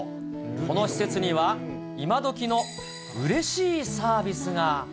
この施設には、今どきのうれしいサービスが。